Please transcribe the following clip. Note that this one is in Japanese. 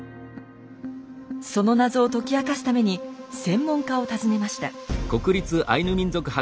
その謎を解き明かすために専門家を訪ねました。